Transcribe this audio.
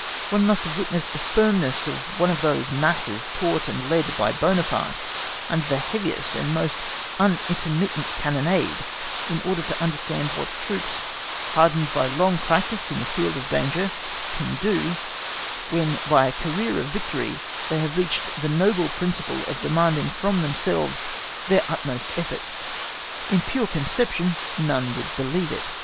One must have witnessed the firmness of one of those masses taught and led by Buonaparte, under the heaviest and most unintermittent cannonade, in order to understand what troops, hardened by long practice in the field of danger, can do, when by a career of victory they have reached the noble principle of demanding from themselves their utmost efforts. In pure conception no one would believe it.